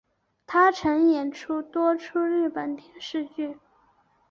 她曾演出多出日本电视剧。